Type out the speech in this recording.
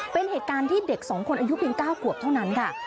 เป็นเหตุการณ์ที่เด็ก๒คนอายุเพียง๙ขวบเท่านั้นค่ะ